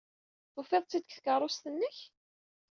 Tufid-tt-id deg tkeṛṛust-nnek?